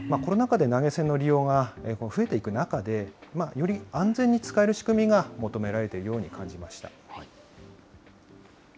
コロナ禍で投げ銭の利用が増えていく中で、より安全に使える仕組みが求められているように感じました。